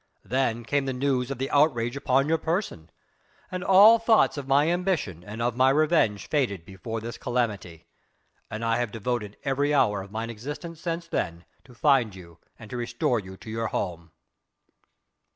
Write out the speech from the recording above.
Then came the news of the outrage upon your person, and all thoughts of my ambition and of my revenge faded before this calamity, and I have devoted every hour of mine existence since then to find you and to restore you to your home."